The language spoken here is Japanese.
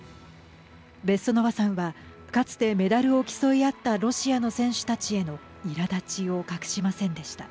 ベッソノワさんはかつてメダルを競いあったロシアの選手たちへのいらだちを隠しませんでした。